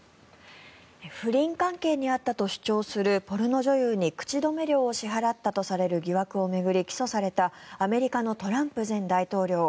不倫関係にあったと主張するポルノ女優に口止め料を支払ったとされる疑惑を巡り起訴されたアメリカのトランプ前大統領。